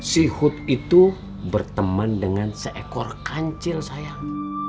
si hood itu berteman dengan seekor kancil sayang